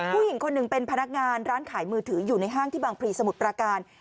ผู้หญิงคนหนึ่งเป็นพนักงานร้านขายมือถืออยู่ในห้างที่บางพลีสมุทรปราการ